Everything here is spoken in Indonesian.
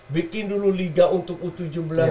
bikin dulu liga untuk u tujuh belas